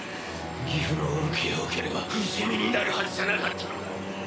ギフの恩恵を受ければ不死身になるはずじゃなかったのか！？